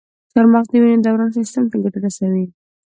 چارمغز د وینې دوران سیستم ته ګټه رسوي.